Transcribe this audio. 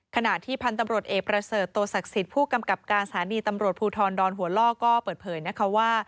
ขณะที่พันธ์ตำรวจเอเบิร์ตโตศักษิตฯผู้กำกับการสารณีตำรวจภูทรดอนหัวลอก็เปิดเผยนะ